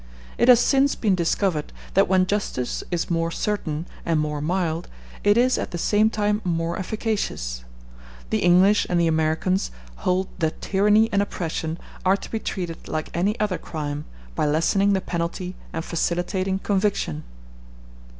It has since been discovered that when justice is more certain and more mild, it is at the same time more efficacious. The English and the Americans hold that tyranny and oppression are to be treated like any other crime, by lessening the penalty and facilitating conviction.